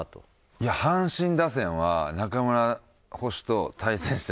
いや阪神打線は中村捕手と対戦してましたね。